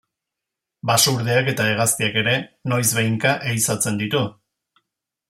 Basurdeak eta hegaztiak ere noizbehinka ehizatzen ditu.